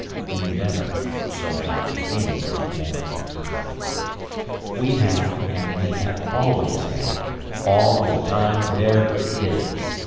We never shall have any more time. We have, and we have always had, all the time there is.